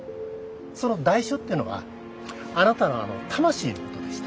その代償ってのはあなたのあの魂のことでして。